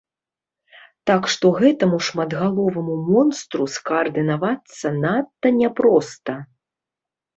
Так што гэтаму шматгаловаму монстру скаардынавацца надта няпроста!